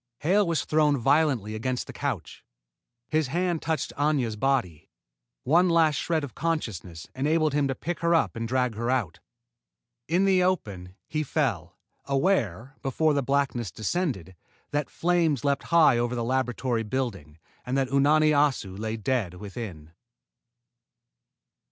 Hale was thrown violently against the couch. His hand touched Aña's body. One last shred of consciousness enabled him to pick her up and drag her out. In the open, he fell, aware, before blackness descended, that flames leaped high over the laboratory building and that Unani Assu lay dead within.